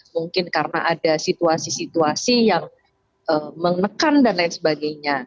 mungkin karena ada situasi situasi yang menekan dan lain sebagainya